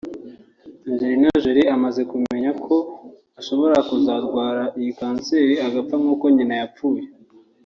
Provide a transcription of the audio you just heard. Angelina Jolie amaze kumenya ko ashobora kuzarwara iyi kanseri agapfa nk’uko nyina yapfuye